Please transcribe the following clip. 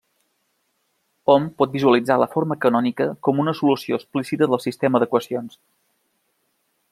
Hom pot visualitzar la forma canònica com una solució explícita del sistema d'equacions.